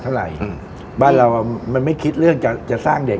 เท่าไหร่อืมบ้านเราอ่ะมันไม่คิดเรื่องจะจะสร้างเด็ก